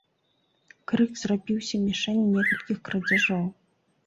Крык зрабіўся мішэнню некалькіх крадзяжоў.